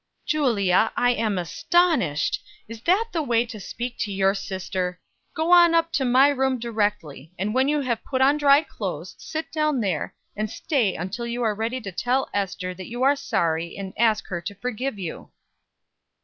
"Julia, I am astonished! Is that the way to speak to your sister? Go up to my room directly; and, when you have put on dry clothes, sit down there, and stay until you are ready to tell Ester that you are sorry, and ask her to forgive you."